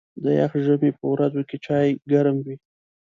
د یخ ژمي په ورځو کې چای ګرم وي.